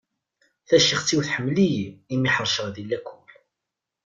Tacixet-iw tḥemmel-iyi imi ḥerceɣ di lakul.